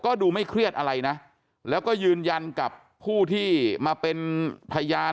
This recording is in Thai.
ก็ดูไม่เครียดอะไรนะแล้วก็ยืนยันกับผู้ที่มาเป็นพยาน